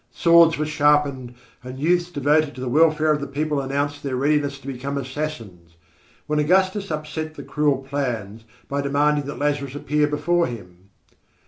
Swords were sharpened and youths devoted to the welfare of the people announced their readiness to become assassins, when Augustus upset the cruel plans by demanding that Lazarus appear before him.